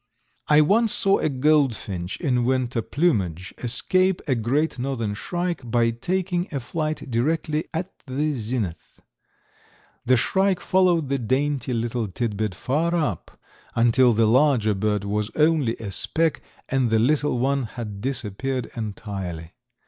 I once saw a goldfinch in winter plumage escape a Great Northern Shrike by taking a flight directly at the zenith. The shrike followed the dainty little tidbit far up, until the larger bird was only a speck and the little one had disappeared entirely.